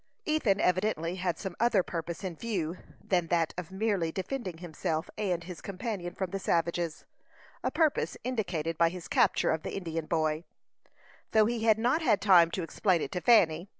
Ethan evidently had some other purpose in view than that of merely defending himself and his companion from the savages a purpose indicated by his capture of the Indian boy, though he had not had time to explain it to Fanny.